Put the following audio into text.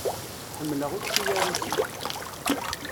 Ḥemmleɣ učči arusi.